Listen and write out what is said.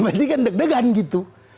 berarti kan deg degan gitu